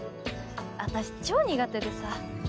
私超苦手でさ。